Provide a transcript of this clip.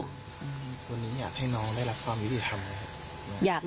วันนี้อยากให้น้องได้รับความยุติธรรมไหมครับ